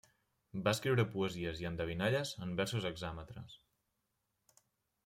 Va escriure poesies i endevinalles en versos hexàmetres.